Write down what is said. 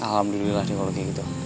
alhamdulillah dikologi gitu